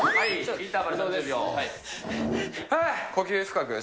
インターバル３０秒です。